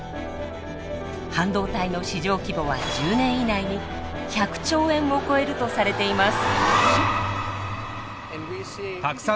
半導体の市場規模は１０年以内に１００兆円を超えるとされています。